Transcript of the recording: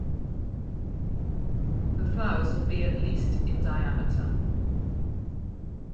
The flowers will be at least in diameter.